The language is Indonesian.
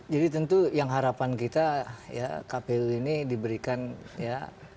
jadi tentu yang harapan kita ya kpu ini diberikan ya